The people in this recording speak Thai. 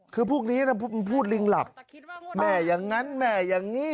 คือพวกนี้มันพูดลิงหลับแม่อย่างนั้นแม่อย่างนี้